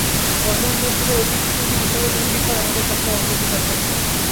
বর্তমান পরিস্থিতিতে ওকে টি-টোয়েন্টি বিশ্বকাপে পুরো ফিট পাওয়াই আমাদের কাছে অগ্রাধিকার পাচ্ছে।